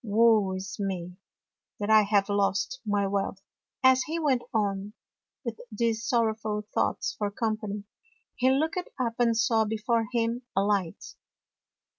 Woe is me, that I have lost my wealth! " As he went on, with these sorrowful thoughts for company, he looked up and saw before him a light.